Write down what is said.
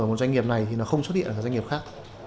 một doanh nghiệp này thì nó không xuất hiện ở các doanh nghiệp khác